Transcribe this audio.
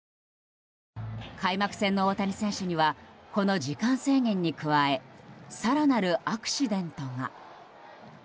開幕戦の大谷選手にはこの時間制限に加え更なるアクシデントが。